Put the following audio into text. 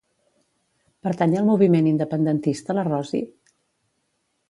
Pertany al moviment independentista la Rosi?